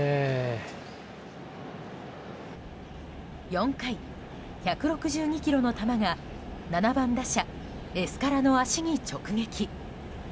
４回、１６２キロの球が７番打者のエスカラの足に直撃。